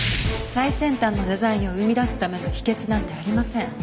最先端のデザインを生み出すための秘訣なんてありません。